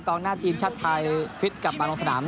กองหน้าทีนชาติไทยฟลิตกลับมารังสนาม